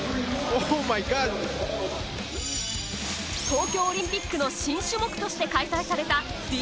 東京オリンピックの新種目として開催されたＢＭＸ